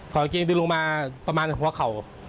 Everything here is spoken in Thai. กางเกงดึงลงมาประมาณหัวเข่า